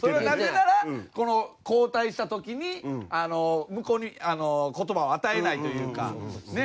なぜなら交代した時に向こうに言葉を与えないというか。